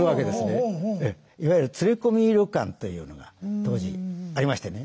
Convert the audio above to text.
いわゆる連れ込み旅館というのが当時ありましてね。